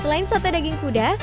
selain sate daging kuda